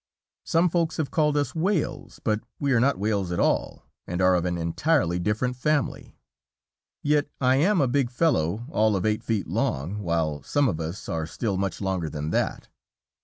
Some Folks have called us whales. But we are not whales at all, and are of an entirely different family. Yet I am a big fellow all of eight feet long, while some of us are still much longer than that.